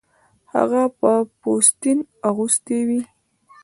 هغه به پوستین اغوستې وې